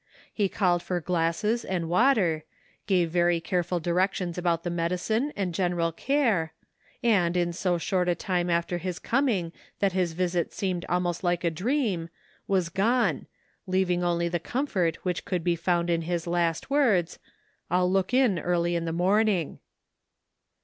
He called for glasses and water, gave very careful directions about the medicine and general care, and, in so short a time after his A TRYING POSITION. 137 coming that his visit seemed almost like a dream, was gone, leaving only the comfort which could be found in his last words, "I'll look in early in the morning."